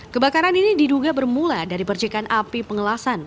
kebakaran ini diduga bermula dari percikan api pengelasan